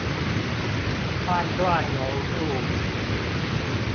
判斷濃度